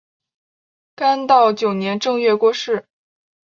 干道九年正月过世。